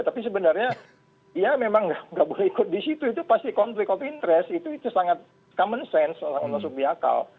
tapi sebenarnya ya memang nggak boleh ikut di situ itu pasti konflik of interest itu sangat common sense langsung masuk di akal